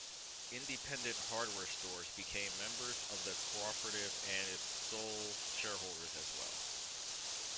Independent hardware stores became members of the cooperative and its sole shareholders as well.